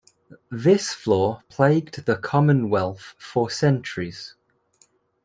This flaw plagued the Commonwealth for centuries.